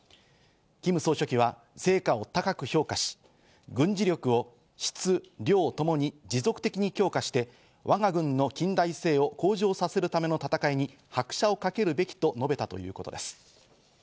キム総書記は成果を高く評価し、軍事力を質・量ともに持続的に強化して、我が軍の近代性を向上させるための闘いに拍車をかけるべきと述べたということです。